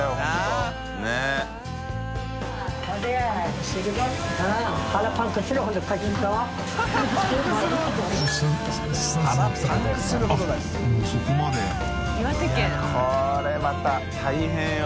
いやこれまた大変よ。